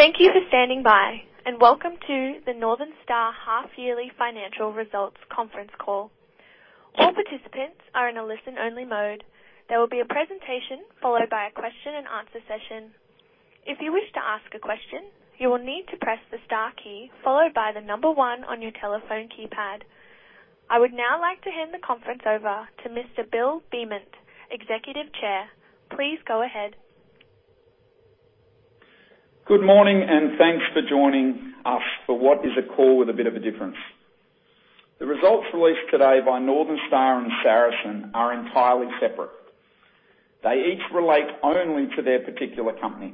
Thank you for standing by, and welcome to the Northern Star half-yearly financial results conference call. All participants are in listen-only mode there will be presentation followed by question-and-answer session If you wish to ask question you will need press star key followe by number one on your keypad. I would now like to hand the conference over to Mr. Bill Beament, Executive Chair. Please go ahead. Good morning, and thanks for joining us for what is a call with a bit of a difference. The results released today by Northern Star and Saracen are entirely separate. They each relate only to their particular company.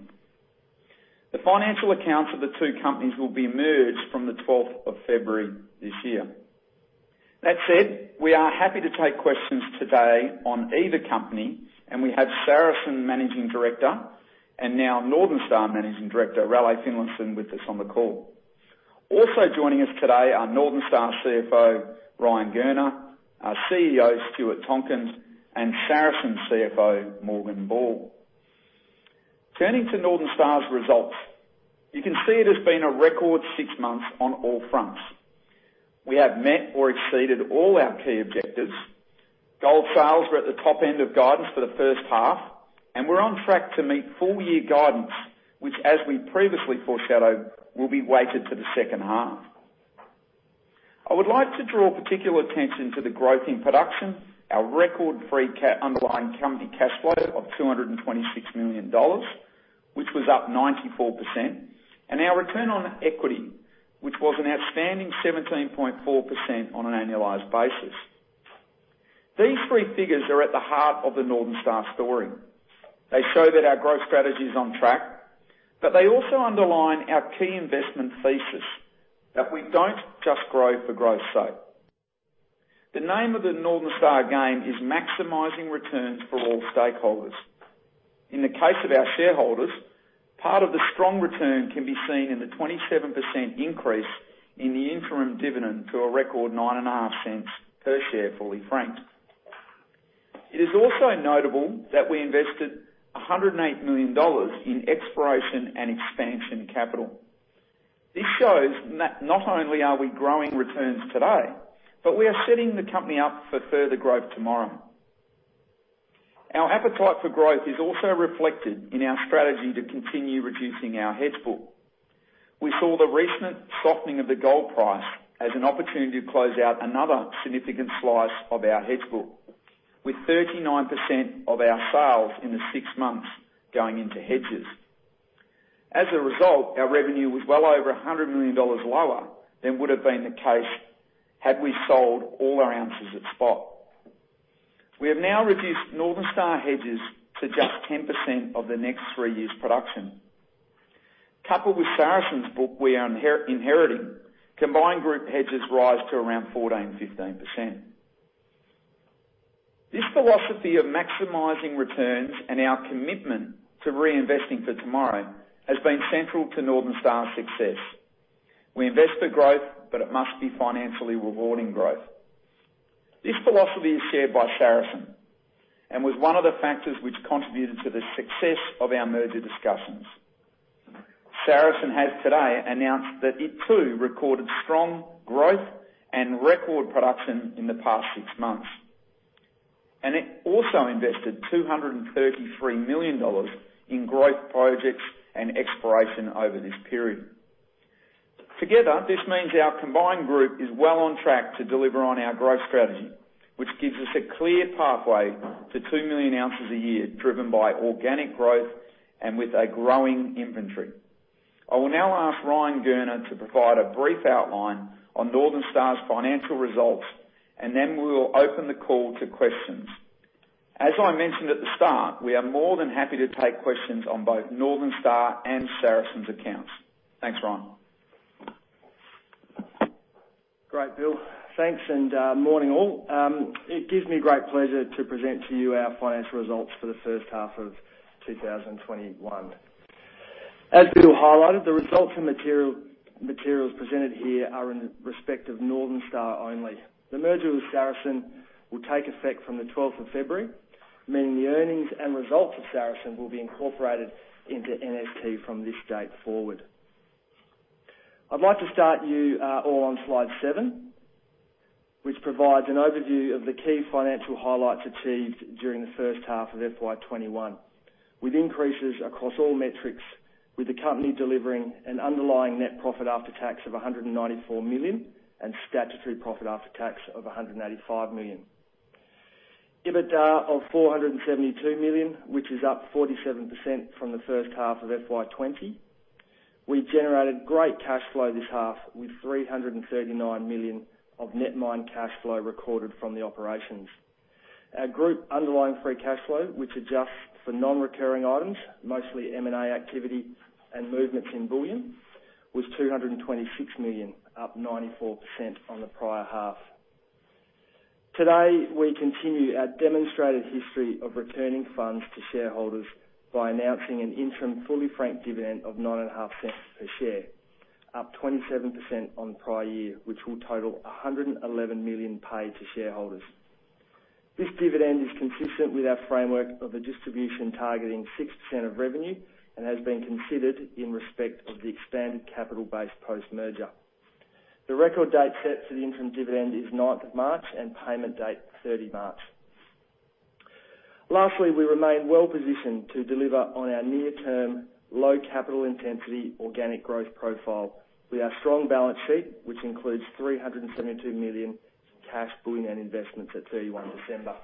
The financial accounts of the two companies will be merged from the 12th of February this year. That said, we are happy to take questions today on either company, and we have Saracen Managing Director, and now Northern Star Managing Director, Raleigh Finlayson with us on the call. Also joining us today are Northern Star CFO, Ryan Gurner, our CEO, Stuart Tonkin, and Saracen CFO, Morgan Ball. Turning to Northern Star's results, you can see it has been a record six months on all fronts. We have met or exceeded all our key objectives. Gold sales were at the top end of guidance for the first half, and we're on track to meet full-year guidance, which as we previously foreshadowed, will be weighted to the second half. I would like to draw particular attention to the growth in production, our record underlying company cash flow of 226 million dollars, which was up 94%, and our return on equity, which was an outstanding 17.4% on an annualized basis. These three figures are at the heart of the Northern Star story. They show that our growth strategy is on track, but they also underline our key investment thesis that we don't just grow for growth's sake. The name of the Northern Star game is maximizing returns for all stakeholders. In the case of our shareholders, part of the strong return can be seen in the 27% increase in the interim dividend to a record 0.095 per share, fully franked. It is also notable that we invested 108 million dollars in exploration and expansion capital. This shows not only are we growing returns today, but we are setting the company up for further growth tomorrow. Our appetite for growth is also reflected in our strategy to continue reducing our hedge book. We saw the recent softening of the gold price as an opportunity to close out another significant slice of our hedge book, with 39% of our sales in the six months going into hedges. As a result, our revenue was well over 100 million dollars lower than would've been the case had we sold all our ounces at spot. We have now reduced Northern Star hedges to just 10% of the next three years' production. Coupled with Saracen's book we are inheriting, combined group hedges rise to around 14%-15%. This philosophy of maximizing returns and our commitment to reinvesting for tomorrow has been central to Northern Star's success. We invest for growth, but it must be financially rewarding growth. This philosophy is shared by Saracen and was one of the factors which contributed to the success of our merger discussions. Saracen has today announced that it too recorded strong growth and record production in the past six months. It also invested 233 million dollars in growth projects and exploration over this period. Together, this means our combined group is well on track to deliver on our growth strategy, which gives us a clear pathway to 2 million ounces a year, driven by organic growth and with a growing inventory. I will now ask Ryan Gurner to provide a brief outline on Northern Star's financial results, and then we will open the call to questions. As I mentioned at the start, we are more than happy to take questions on both Northern Star and Saracen's accounts. Thanks, Ryan. Great, Bill. Thanks. Morning all. It gives me great pleasure to present to you our financial results for the first half of 2021. As Bill highlighted, the results and materials presented here are in respect of Northern Star only. The merger with Saracen will take effect from the 12th of February, meaning the earnings and results of Saracen will be incorporated into NST from this date forward. I'd like to start you all on slide seven, which provides an overview of the key financial highlights achieved during the first half of FY 2021, with increases across all metrics, with the company delivering an underlying net profit after tax of 194 million, and statutory profit after tax of 195 million. EBITDA of 472 million, which is up 47% from the first half of FY 2020. We generated great cash flow this half with 339 million of net mine cash flow recorded from the operations. Our group underlying free cash flow, which adjusts for non-recurring items, mostly M&A activity and movements in bullion, was 226 million, up 94% from the prior half. Today, we continue our demonstrated history of returning funds to shareholders by announcing an interim fully franked dividend of 0.095 per share, up 27% on prior year, which will total 111 million paid to shareholders. This dividend is consistent with our framework of a distribution targeting 6% of revenue and has been considered in respect of the expanded capital base post-merger. The record date set for the interim dividend is 9th of March, and payment date, 30 March. Lastly, we remain well-positioned to deliver on our near-term, low capital intensity, organic growth profile with our strong balance sheet, which includes 372 million cash bullion and investments at 31 December.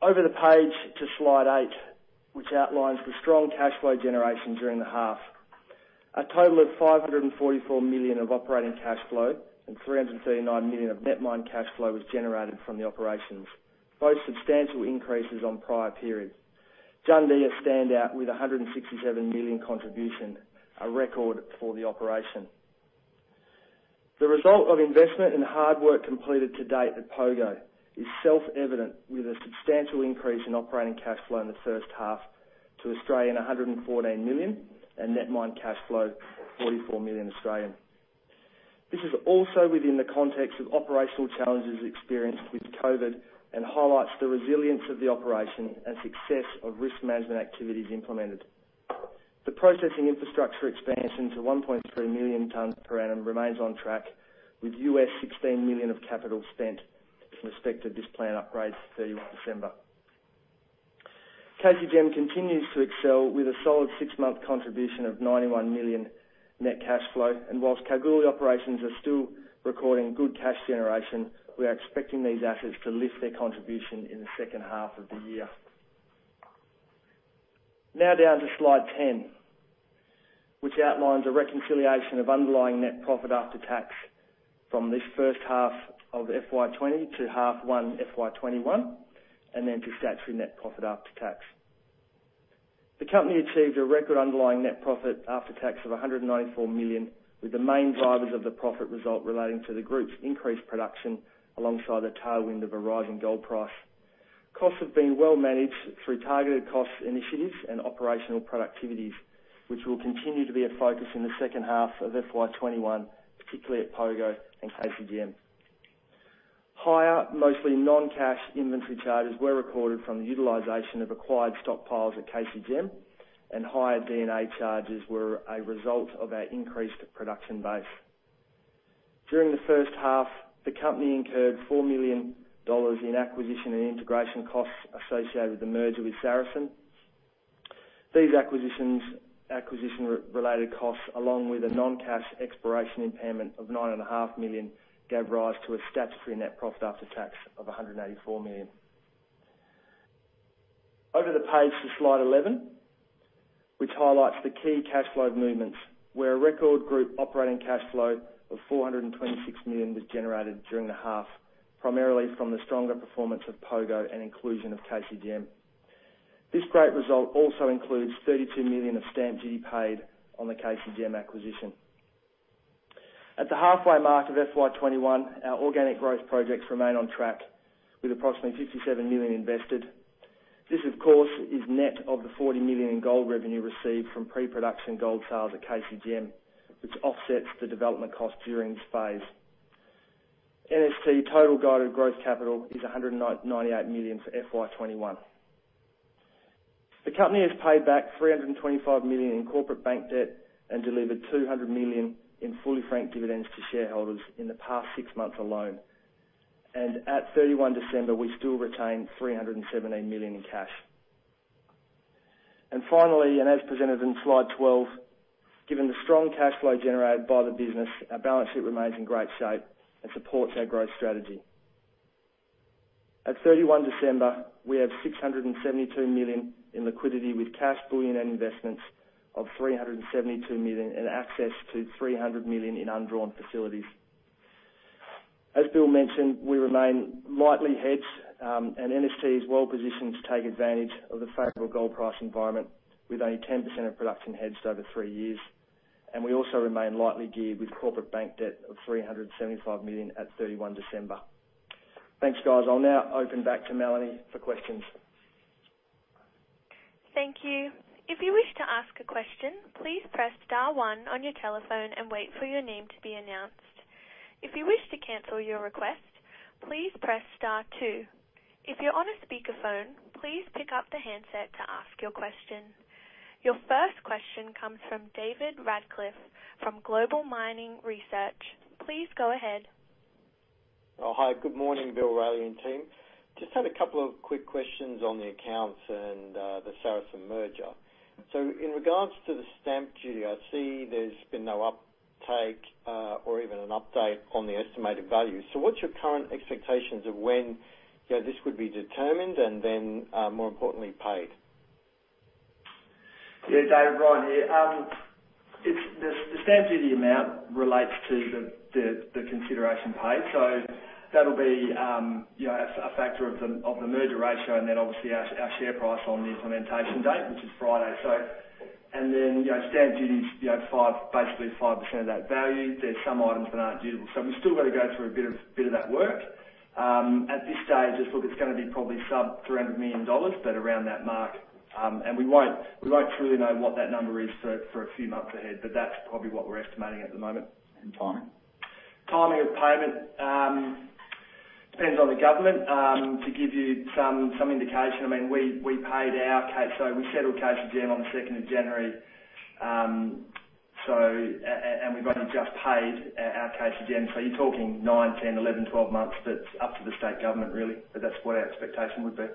Over the page to slide eight, which outlines the strong cash flow generation during the half. A total of 544 million of operating cash flow and 339 million of net mine cash flow was generated from the operations, both substantial increases on prior periods. Jundee stands out with 167 million contribution, a record for the operation. The result of investment and hard work completed to date at Pogo is self-evident, with a substantial increase in operating cash flow in the first half to 114 million and net mine cash flow 44 million. This is also within the context of operational challenges experienced with COVID and highlights the resilience of the operation and success of risk management activities implemented. The processing infrastructure expansion to 1.3 million tons per annum remains on track, with U.S. $16 million of capital spent in respect of this plant upgrade for 31 December. KCGM continues to excel with a solid six-month contribution of 91 million net cash flow. Whilst Kalgoorlie operations are still recording good cash generation, we are expecting these assets to lift their contribution in the second half of the year. Now down to slide 10, which outlines a reconciliation of underlying net profit after tax from this first half of FY 2020 to half one FY 2021, and then to statutory net profit after tax. The company achieved a record underlying net profit after tax of 194 million, with the main drivers of the profit result relating to the group's increased production alongside a tailwind of a rising gold price. Costs have been well managed through targeted cost initiatives and operational productivities, which will continue to be a focus in the second half of FY 2021, particularly at Pogo and KCGM. Higher, mostly non-cash inventory charges were recorded from the utilization of acquired stockpiles at KCGM, and higher D&A charges were a result of our increased production base. During the first half, the company incurred 4 million dollars in acquisition and integration costs associated with the merger with Saracen. These acquisition-related costs, along with a non-cash exploration impairment of 9.5 million, gave rise to a statutory net profit after tax of 194 million. Over to the page for slide 11, which highlights the key cash flow movements, where a record group operating cash flow of 426 million was generated during the half, primarily from the stronger performance of Pogo and inclusion of KCGM. This great result also includes 32 million of stamp duty paid on the KCGM acquisition. At the halfway mark of FY 2021, our organic growth projects remain on track with approximately 57 million invested. This, of course, is net of the 40 million in gold revenue received from pre-production gold sales at KCGM, which offsets the development cost during this phase. NST total guided growth capital is AUD 198 million for FY 2021. The company has paid back 325 million in corporate bank debt and delivered 200 million in fully franked dividends to shareholders in the past six months alone. At 31 December, we still retain 317 million in cash. Finally, as presented in slide 12, given the strong cash flow generated by the business, our balance sheet remains in great shape and supports our growth strategy. At 31 December, we have 672 million in liquidity with cash bullion and investments of 372 million and access to 300 million in undrawn facilities. As Bill mentioned, we remain lightly hedged, and NST is well positioned to take advantage of the favorable gold price environment with only 10% of production hedged over three years. We also remain lightly geared with corporate bank debt of 375 million at 31 December. Thanks, guys. I'll now open back to Melanie for questions. Thank you if you wish to ask question, please press star one on your telephone and wait for your name to be announced, if you wish to cancel your request, please press star two if you own speakerphone, please take out the handset to ask your question. Your first question comes from David Radclyffe from Global Mining Research. Please go ahead. Oh, hi. Good morning, Bill, Ryan and team. Just had a couple of quick questions on the accounts and the Saracen merger. In regards to the stamp duty, I see there's been no uptake or even an update on the estimated value. What's your current expectations of when this would be determined and then, more importantly, paid? David. Ryan here. The stamp duty amount relates to the consideration paid. That'll be a factor of the merger ratio and then obviously our share price on the implementation date, which is Friday. Stamp duty is basically 5% of that value. There's some items that aren't due. We still got to go through a bit of that work. At this stage, look, it's going to be probably sub AUD 300 million, but around that mark. We won't truly know what that number is for a few months ahead, but that's probably what we're estimating at the moment in time. Timing of payment depends on the government. To give you some indication, we settled KCGM on the 2nd of January, we've only just paid our KCGM. You're talking nine, 10, 11, 12 months. That's up to the state government, really, but that's what our expectation would be.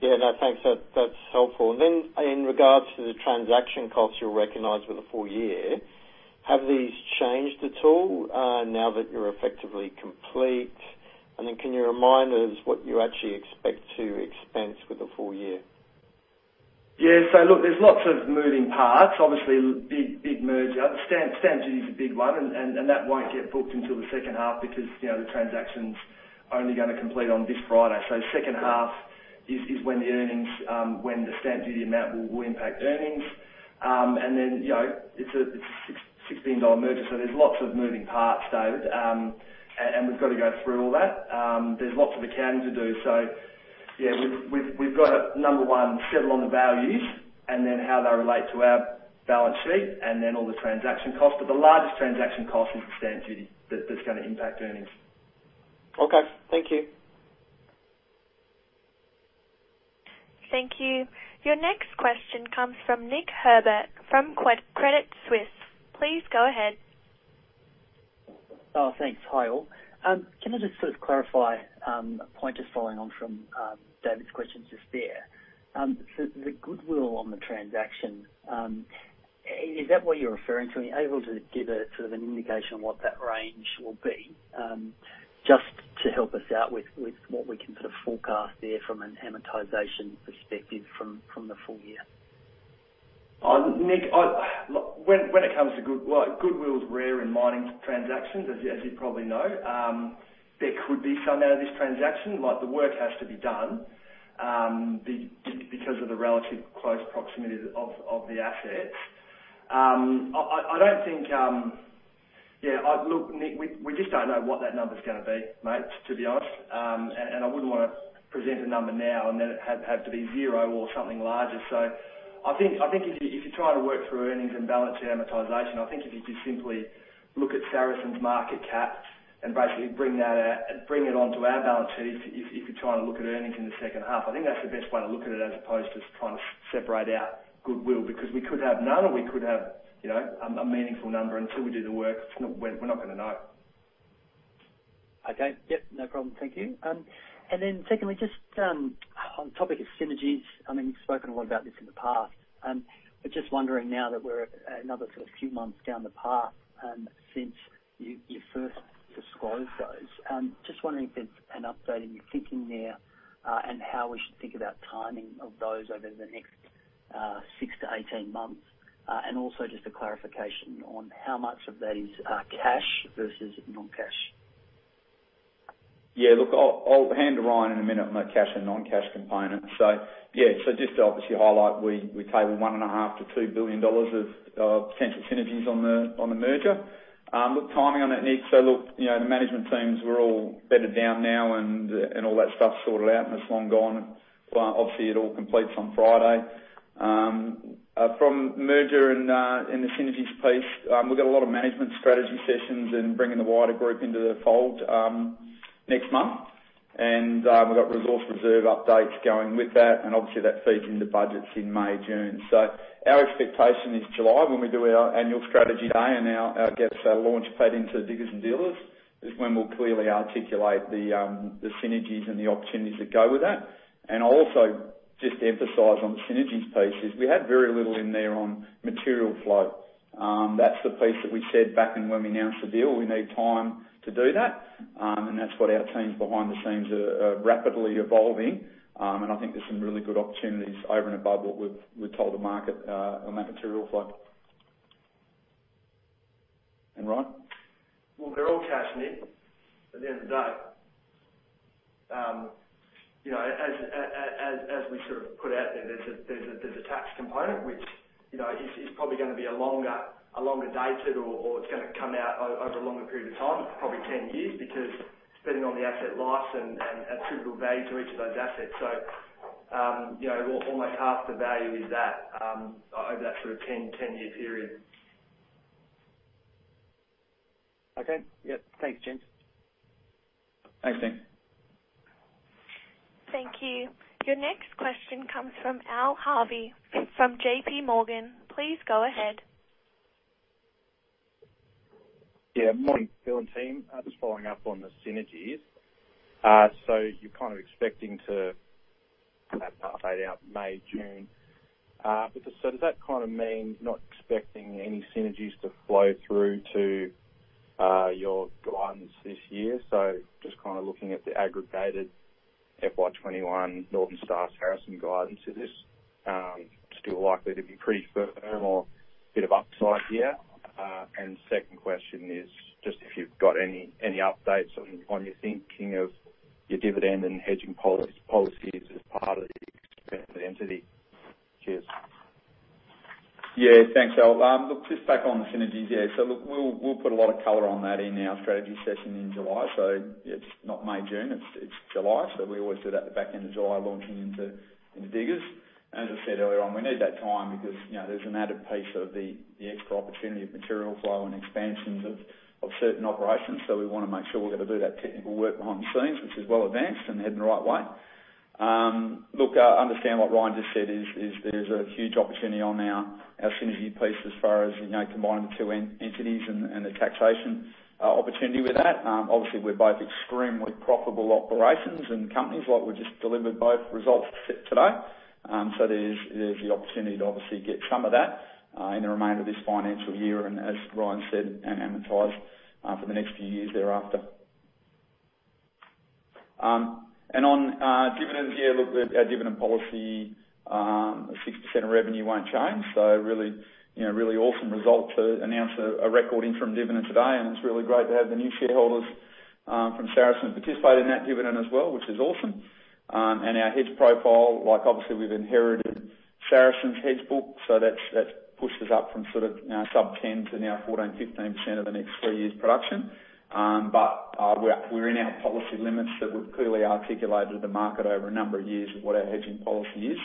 Yeah. No, thanks. That's helpful. In regards to the transaction costs you'll recognize for the full year, have these changed at all now that you're effectively complete? Can you remind us what you actually expect to expense for the full year? Yeah. Look, there's lots of moving parts. Obviously, big merger. Stamp duty is a big one, and that won't get booked until the second half because the transaction's only going to complete on this Friday. The second half is when the stamp duty amount will impact earnings. It's an, there's lots of moving parts, David, and we've got to go through all that. There's lots of accounting to do. Yeah, we've got to, number one, settle on the values and then how they relate to our balance sheet and then all the transaction costs. The largest transaction cost is the stamp duty that's going to impact earnings. Okay. Thank you. Thank you. Your next question comes from Nick Herbert from Credit Suisse. Please go ahead. Thanks. Hi, all. Can I just clarify a point, just following on from David's questions just there? The goodwill on the transaction, is that what you're referring to? Are you able to give an indication of what that range will be, just to help us out with what we can forecast there from an amortization perspective from the full year? Nick, goodwill is rare in mining transactions, as you probably know. There could be some out of this transaction. The work has to be done because of the relative close proximity of the assets. Nick, we just don't know what that number's going to be, mate, to be honest. I wouldn't want to present a number now and then it have to be zero or something larger. I think if you're trying to work through earnings and balance sheet amortization, I think if you just simply look at Saracen's market cap and basically bring it onto our balance sheet, if you're trying to look at earnings in the second half, I think that's the best way to look at it, as opposed to just trying to separate out goodwill, because we could have none or we could have a meaningful number. Until we do the work, we're not going to know. Okay. Yep, no problem. Thank you. Secondly, just on the topic of synergies, you've spoken a lot about this in the past. Just wondering now that we're another few months down the path since you first disclosed those, just wondering if there's an update in your thinking there, and how we should think about timing of those over the next six to 18 months. Also just a clarification on how much of that is cash versus non-cash. Look, I'll hand to Ryan in a minute on the cash and non-cash component. Just to obviously highlight, we tabled 1.5 billion to 2 billion dollars of potential synergies on the merger. Look, timing on that, Nick. Look, the management teams, we're all bedded down now and all that stuff's sorted out and it's long gone. Obviously, it all completes on Friday. From merger and the synergies piece, we've got a lot of management strategy sessions and bringing the wider group into the fold next month. We've got resource reserve updates going with that, obviously that feeds into budgets in May, June. Our expectation is July, when we do our annual strategy day and our guests are launch pad into Diggers & Dealers, is when we'll clearly articulate the synergies and the opportunities that go with that. I also just emphasize on the synergies piece is we had very little in there on material flow. That's the piece that we said back when we announced the deal, we need time to do that. That's what our teams behind the scenes are rapidly evolving. I think there's some really good opportunities over and above what we've told the market on that material flow. Ryan? Well, they're all cash, Nick. At the end of the day, as we put out there's a tax component which is probably going to be longer dated, or it's going to come out over a longer period of time, probably 10 years, because depending on the asset life and attributable value to each of those assets. Almost half the value is that over that sort of 10-year period. Okay. Yep. Thanks, gents. Thanks, Nick. Thank you. Your next question comes from Al Harvey from JPMorgan. Please go ahead. Morning, Bill and team. Just following up on the synergies. You're kind of expecting to have that fade out May, June. Does that mean you're not expecting any synergies to flow through to your guidance this year? Just looking at the aggregated FY 2021 Northern Star-Saracen guidance for this, still likely to be pretty firm or bit of upside here? Second question is just if you've got any updates on your thinking of your dividend and hedging policies as part of the expanded entity. Cheers. Yeah. Thanks, Al. Look, just back on the synergies. Yeah, look, we'll put a lot of color on that in our strategy session. In July. It's not May, June, it's July. We always do that at the back end of July, launching into Diggers. As I said earlier on, we need that time because there's an added piece of the extra opportunity of material flow and expansions of certain operations. We want to make sure we're going to do that technical work behind the scenes, which is well advanced and heading the right way. Look, I understand what Ryan just said is there's a huge opportunity on our synergy piece as far as combining the two entities and the taxation opportunity with that. Obviously, we're both extremely profitable operations and companies like we just delivered both results today. There's the opportunity to obviously get some of that in the remainder of this financial year and, as Ryan said, and amortize for the next few years thereafter. On dividends, yeah, look, our dividend policy, 6% of revenue won't change. Really awesome result to announce a record interim dividend today, and it's really great to have the new shareholders from Saracen participate in that dividend as well, which is awesome. Our hedge profile, obviously, we've inherited Saracen's hedge book, that's pushed us up from sub 10 to now 14%-15% over the next three years production. We're in our policy limits that we've clearly articulated to the market over a number of years of what our hedging policy is.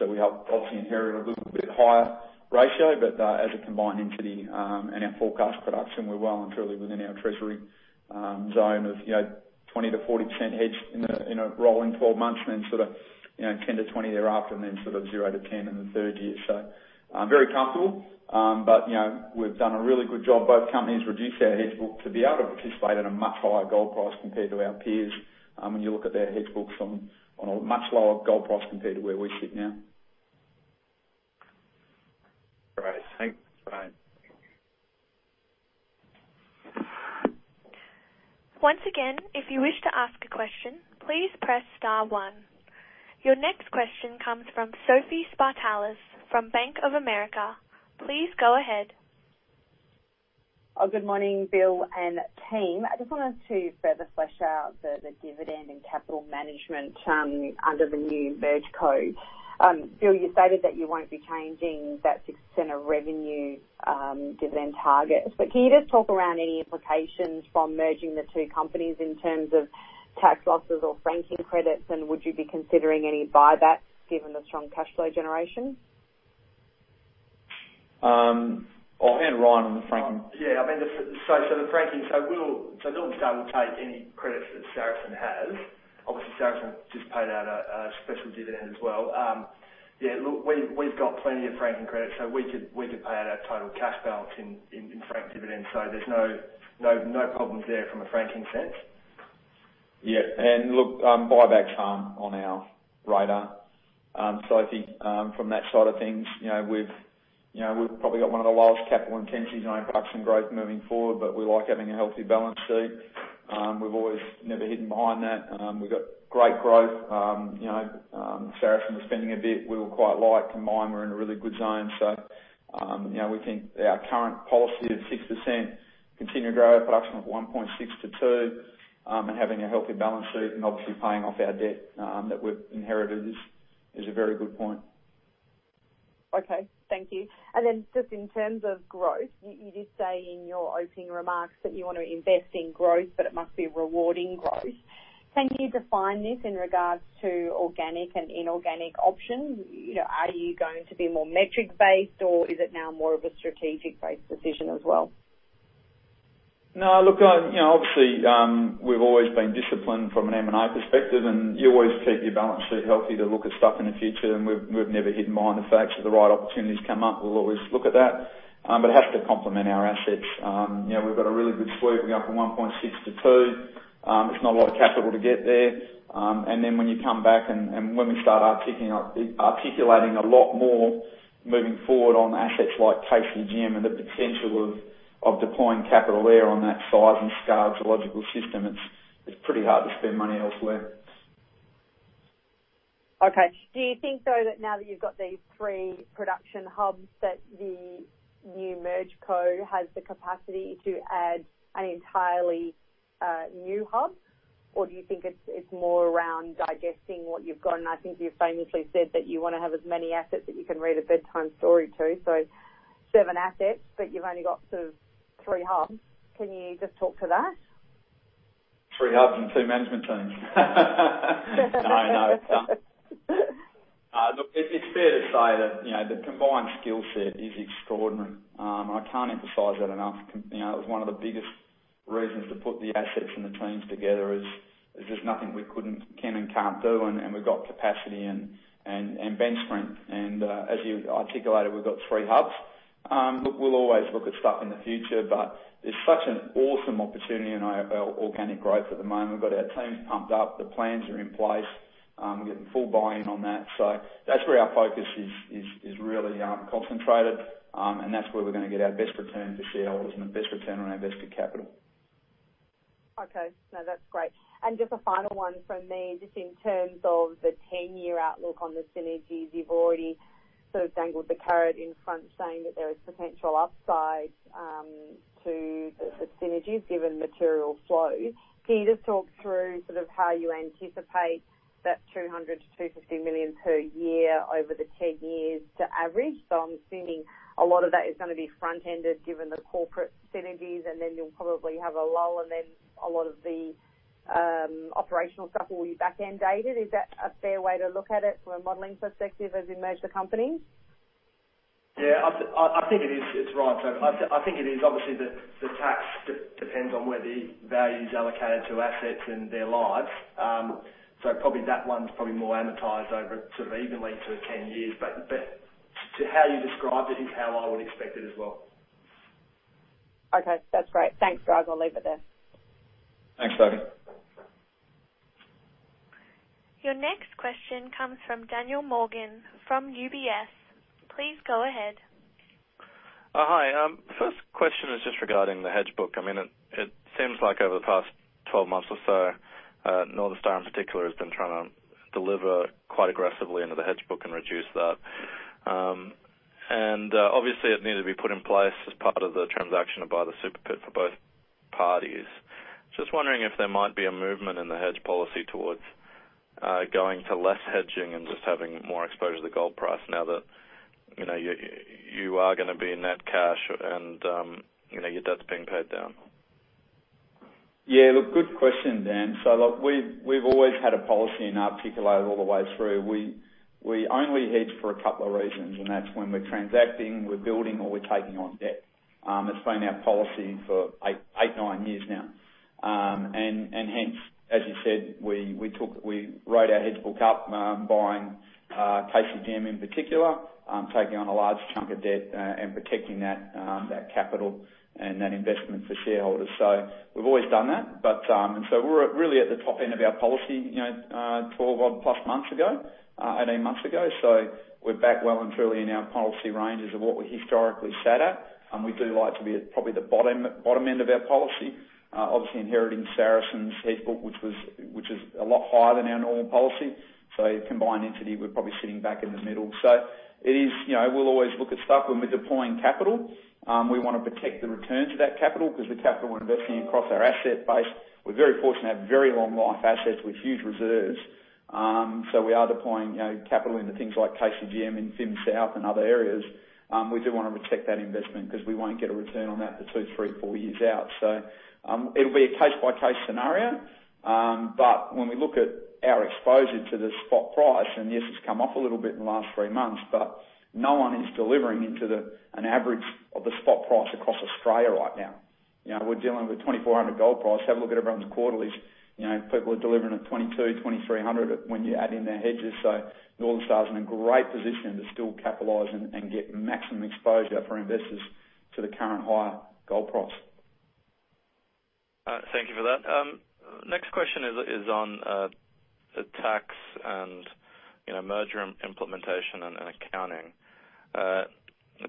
We obviously inherited a little bit higher ratio, but as a combined entity and our forecast production, we're well and truly within our treasury zone of 20%-40% hedge in a rolling 12 months and then 10%-20% thereafter, and then 0%-10% in the third year. Very comfortable. We've done a really good job. Both companies reduced our hedge book to be able to participate at a much higher gold price compared to our peers when you look at their hedge books on a much lower gold price compared to where we sit now. Great. Thanks, Ryan. Once again, if you wish to ask a question, please press star one. Your next question comes from Sophie Spartalis from Bank of America. Please go ahead. Good morning, Bill and team. I just wanted to further flesh out the dividend and capital management under the new MergeCo. Bill, you stated that you won't be changing that 6% of revenue dividend target. Can you just talk around any implications from merging the two companies in terms of tax losses or franking credits, and would you be considering any buybacks given the strong cash flow generation? I'll hand Ryan on the franking. Yeah. The franking, Northern Star will take any credits that Saracen has. Obviously, Saracen just paid out a special dividend as well. Yeah, look, we've got plenty of franking credits, we could pay out our total cash balance in franked dividends. There's no problems there from a franking sense. Yeah. Look, buybacks aren't on our radar. Sophie, from that side of things, we've probably got one of the lowest capital intensities on our production growth moving forward, but we like having a healthy balance sheet. We've always never hidden behind that. We've got great growth. Saracen was spending a bit. We were quite light. Combined, we're in a really good zone. We think our current policy at 6%, continue to grow our production of 1.6 to two, and having a healthy balance sheet and obviously paying off our debt that we've inherited is a very good point. Okay. Thank you. Just in terms of growth, you did say in your opening remarks that you want to invest in growth, but it must be rewarding growth. Can you define this in regards to organic and inorganic options? Are you going to be more metric-based or is it now more of a strategic-based decision as well? No, look, obviously, we've always been disciplined from an M&A perspective. You always keep your balance sheet healthy to look at stuff in the future. We've never hidden behind the fact. The right opportunities come up, we'll always look at that. It has to complement our assets. We've got a really good sweep. We go from 1.6 to two. It's not a lot of capital to get there. When you come back and when we start articulating a lot more moving forward on assets like KCGM and KCGM and the potential of deploying capital there on that size and scale geological system, it's pretty hard to spend money elsewhere. Okay. Do you think, though, that now that you've got these three production hubs, that the new MergeCo has the capacity to add an entirely new hub? Do you think it's more around digesting what you've got? I think you famously said that you want to have as many assets that you can read a bedtime story to. Seven assets, but you've only got sort of three hubs. Can you just talk to that? Three hubs and two management teams. Look, it's fair to say that the combined skill set is extraordinary. I can't emphasize that enough. It was one of the biggest reasons to put the assets and the teams together is there's nothing we couldn't, can, and can't do, and we've got capacity and bench strength. As you articulated, we've got three hubs. Look, we'll always look at stuff in the future, but there's such an awesome opportunity in our organic growth at the moment. We've got our teams pumped up. The plans are in place. We're getting full buy-in on that. That's where our focus is really concentrated, and that's where we're going to get our best return for shareholders and the best return on our invested capital. Okay. No, that's great. Just a final one from me, just in terms of the 10-year outlook on the synergies. You've already sort of dangled the carrot in front, saying that there is potential upside to the synergies given material flow. Can you just talk through sort of how you anticipate that 300 million to 350 million per year over the 10 years to average? I'm thinking a lot of that is going to be front-ended given the corporate synergies, and then you'll probably have a lot of the operational stuff will be back-end dated. Is that a fair way to look at it from a modeling perspective as we merge the companies? Yeah, I think it is. It's right. I think it is obviously the tax depends on where the value is allocated to assets and their lives. Probably that one's probably more amortized over sort of evenly to 10 years. To how you described it is how I would expect it as well. Okay. That's great. Thanks, Bill. I'll leave it there. Thanks, Sophie. Your next question comes from Daniel Morgan from UBS. Please go ahead. Hi. First question is just regarding the hedge book. It seems like over the past 12 months or so, Northern Star in particular, has been trying to deliver quite aggressively into the hedge book and reduce that. Obviously, it needed to be put in place as part of the transaction to buy the Super Pit for both parties. Just wondering if there might be a movement in the hedge policy towards going to less hedging and just having more exposure to the gold price now that you are going to be net cash and your debt's being paid down. Yeah, look, good question, Dan. Look, we've always had a policy in articulated all the way through. We only hedge for a couple of reasons, and that's when we're transacting, we're building, or we're taking on debt. It's been our policy for eight, nine years now. Hence, as you said, we wrote our hedge book up buying Carosue Dam in particular, taking on a large chunk of debt and protecting that capital and that investment for shareholders. We've always done that. We were really at the top end of our policy, 12-odd plus months ago, 18 months ago. We're back well and truly in our policy ranges of what we historically sat at. We do like to be at probably the bottom end of our policy. Obviously inheriting Saracen's hedge book, which is a lot higher than our normal policy. Combined entity, we're probably sitting back in the middle. We'll always look at stuff when we're deploying capital. We want to protect the returns of that capital because the capital we're investing across our asset base, we're very fortunate to have very long life assets with huge reserves. We are deploying capital into things like Carosue Dam in Fimiston South and other areas. We do want to protect that investment because we won't get a return on that for two, three, four years out. It'll be a case-by-case scenario. When we look at our exposure to the spot price, and yes, it's come off a little bit in the last three months, but no one is delivering into an average of the spot price across Australia right now. We're dealing with 2,400 gold price. Have a look at everyone's quarterlies. People are delivering at 2,200, 2,300 when you add in their hedges. Northern Star is in a great position to still capitalize and get maximum exposure for investors to the current higher gold price. Thank you for that. Next question is on the tax and merger implementation and accounting.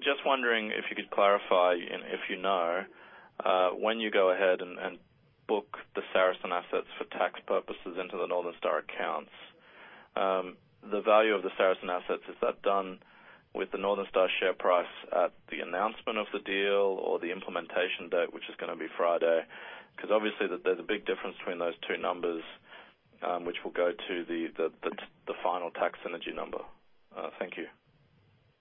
Just wondering if you could clarify, if you know, when you go ahead and book the Saracen assets for tax purposes into the Northern Star accounts. The value of the Saracen assets, is that done with the Northern Star share price at the announcement of the deal or the implementation date, which is going to be Friday? Obviously there's a big difference between those two numbers, which will go to the final tax synergy number. Thank you.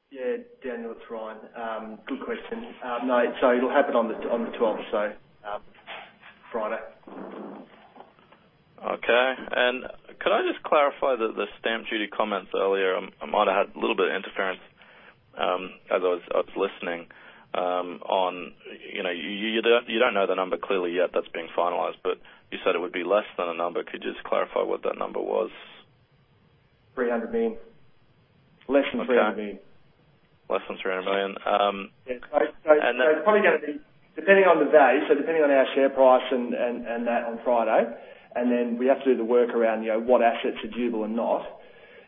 Yeah, Daniel, it's Ryan. Good question. No, it'll happen on the twelfth, so Friday. Okay. Could I just clarify the stamp duty comments earlier? I might have had a little bit of interference, as I was listening, on you don't know the number clearly yet that's being finalized, but you said it would be less than a number. Could you just clarify what that number was? 300 million. Less than 300 million. Less than 300 million. Yeah. It's probably gonna be depending on the day, depending on our share price and that on Friday, then we have to do the work around what assets are doable or not.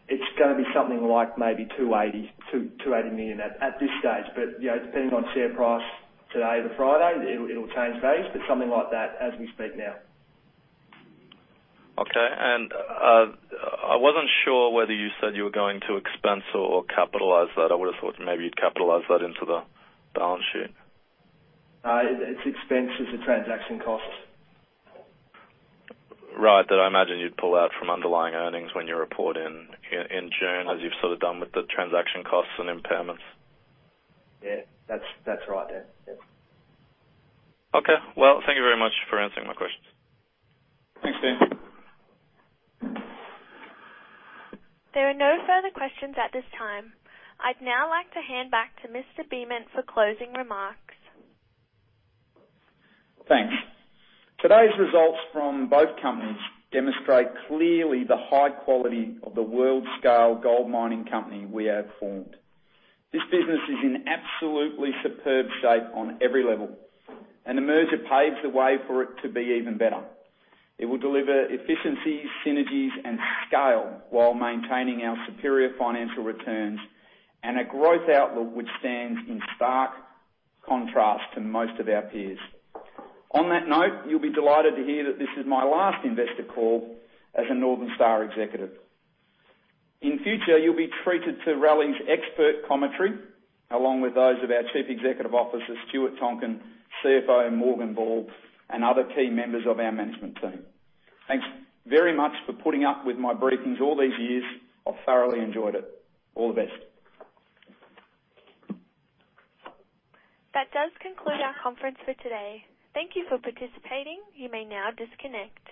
It's gonna be something like maybe 280 million at this stage. Depending on share price today to Friday, it'll change days, but something like that as we speak now. Okay. I wasn't sure whether you said you were going to expense or capitalize that. I would've thought maybe you'd capitalize that into the balance sheet. It's expense. It's a transaction cost. Right. That I imagine you'd pull out from underlying earnings when you report in June, as you've sort of done with the transaction costs and impairments. Yeah. That's right, Dan. Yep. Okay. Well, thank you very much for answering my questions. Thanks, Dan. There are no further questions at this time. I'd now like to hand back to Mr. Beament for closing remarks. Thanks. Today's results from both companies demonstrate clearly the high quality of the world-scale gold mining company we have formed. This business is in absolutely superb shape on every level, and the merger paves the way for it to be even better. It will deliver efficiencies, synergies, and scale while maintaining our superior financial returns and a growth outlook which stands in stark contrast to most of our peers. On that note, you'll be delighted to hear that this is my last investor call as a Northern Star executive. In future, you'll be treated to Raleigh's expert commentary, along with those of our Chief Executive Officer, Stuart Tonkin, CFO Morgan Ball, and other key members of our management team. Thanks very much for putting up with my briefings all these years. I've thoroughly enjoyed it. All the best. That does conclude our conference for today. Thank you for participating. You may now disconnect.